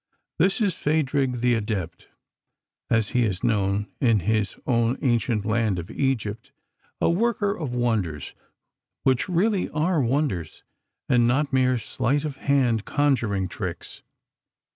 This is Phadrig the Adept, as he is known in his own ancient land of Egypt, a worker of wonders which really are wonders, and not mere sleight of hand conjuring tricks.